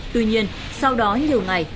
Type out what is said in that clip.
tuy nhiên sau đó nhiều ngày